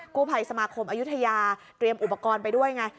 ภัยสมาคมอายุทยาเตรียมอุปกรณ์ไปด้วยไง